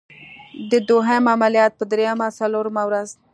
د دوهم عملیات په دریمه څلورمه ورځ.